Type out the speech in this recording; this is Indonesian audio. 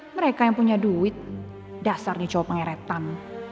mereka yang punya duit dasarnya cowok pengeretan